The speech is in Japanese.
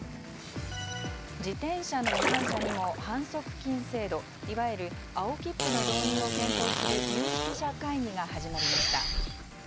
自転車の違反者にも、反則金制度いわゆる青切符の導入を検討する有識者会議が始まりました。